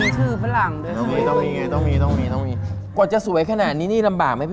ต้องมี